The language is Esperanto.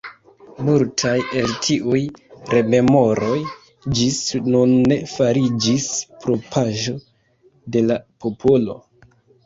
Multaj el tiuj rememoroj ĝis nun ne fariĝis propraĵo de la popolo.